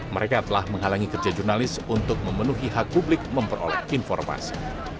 mereka telah menghalangi kerja jurnalis untuk memenuhi hak publik memperoleh informasi